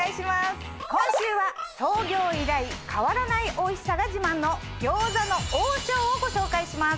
今週は創業以来変わらないおいしさが自慢の。をご紹介します。